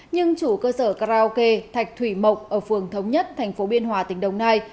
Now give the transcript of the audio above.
nhưng chủ cơ sở karaoke thạch thủy mộc ở phường thống nhất thành phố biên hòa tỉnh đồng nai